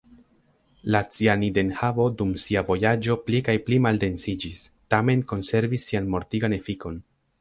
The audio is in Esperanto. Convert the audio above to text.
La cianidenhavo dum sia vojaĝo pli kaj pli maldensiĝis, tamen konservis sian mortigan efikon.